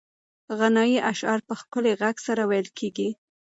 غنایي اشعار په ښکلي غږ سره ویل کېږي.